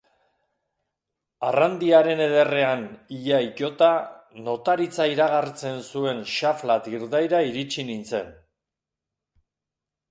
Arrandiaren ederrean ia itota, notaritza iragartzen zuen xafla dirdaira iritsi nintzen.